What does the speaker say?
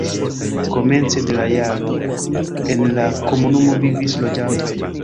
Komence de la jaro en la komunumo vivis loĝantoj.